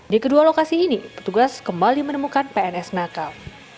di kedua lokasi ini petugas kembali menemukan pns nakal